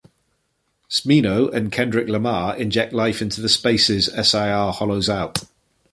Smino and Kendrick Lamar inject life into the spaces SiR hollows out.